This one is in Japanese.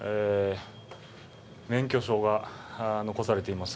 免許証が残されています。